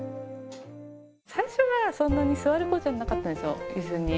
最初はそんなに座る子じゃなかったんですよ、いすに。